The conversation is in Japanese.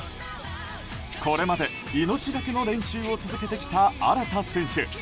これまで命がけの練習を続けてきた荒田選手。